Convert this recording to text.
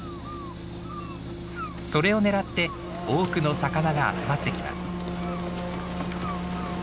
それを狙って多くの魚が集まってきます。